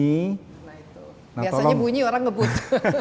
biasanya bunyi orang ngebut